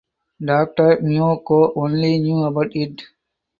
Doctor Myo Ko only knew about it.